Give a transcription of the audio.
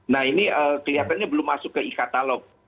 nah ini kelihatannya belum masuk ke e katalog